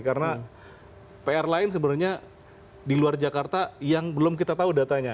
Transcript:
karena pr lain sebenarnya di luar jakarta yang belum kita tahu datanya